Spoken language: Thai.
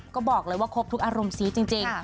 ก็บอกเลยว่าครบทุกอารมณ์ซีจริง